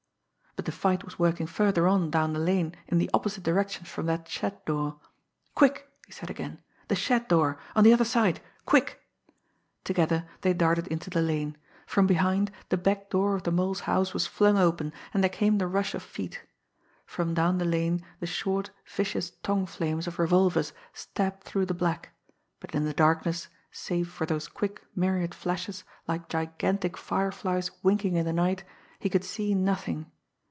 But the fight was working further on down the lane in the opposite direction from that shed door. "Quick!" he said again. "The shed door on the other side quick!" Together they darted into the lane. From behind, the back door of the Mole's house was flung open, and there came the rush of feet. From down the lane the short, vicious tongue flames of revolvers stabbed through the black. But in the darkness, save for those quick, myriad flashes like gigantic fireflies winking in the night, he could see nothing.